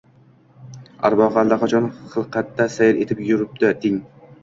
Arvohi... allaqachon xilqatda sayr etib yuribdi, deng.